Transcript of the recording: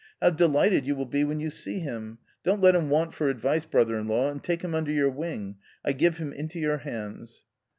How delighted you will be when you see him ! Don't let him want for advice, brother in law, and take him under your wing ; I give him into your hands."